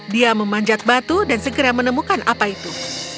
dia memanjat batu dan segera menemukan apa itu